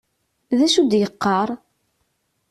D acu i d-yeqqaṛ?